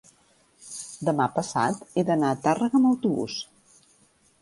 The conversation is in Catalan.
demà passat he d'anar a Tàrrega amb autobús.